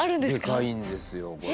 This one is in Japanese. でかいんですよこれ。